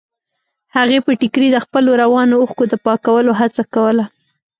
هغې په ټيکري د خپلو روانو اوښکو د پاکولو هڅه کوله.